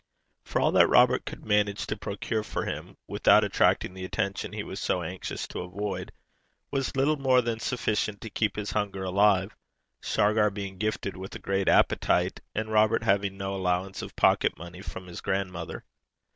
For all that Robert could manage to procure for him without attracting the attention he was so anxious to avoid, was little more than sufficient to keep his hunger alive, Shargar being gifted with a great appetite, and Robert having no allowance of pocket money from his grandmother.